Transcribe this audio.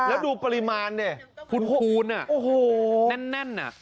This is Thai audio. แล้วดูปริมาณเนี้ยคุ้นคุณอะโอ้โหแน่นอะ